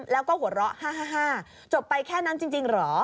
แล้วก็หัวเราะ๕๕จบไปแค่นั้นจริงเหรอ